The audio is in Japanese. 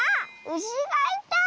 うしがいた！